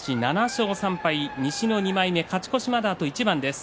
７勝３敗、西の２枚目勝ち越しまであと一番です。